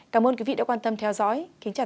cảm ơn quý vị đã theo dõi